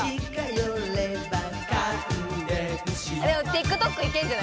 「ＴｉｋＴｏｋいけんじゃ？」